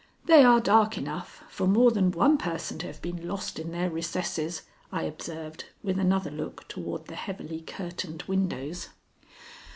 "They are dark enough, for more than one person to have been lost in their recesses," I observed with another look toward the heavily curtained windows.